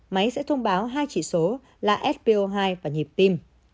máy sẽ thông báo hai chỉ số là spo hai và nhịp tim